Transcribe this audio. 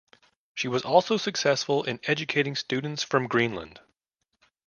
She was also successful in educating students from Greenland.